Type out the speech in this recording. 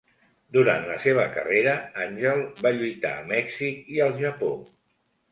Durant la seva carrera, Angel va lluitar a Mèxic i al Japó.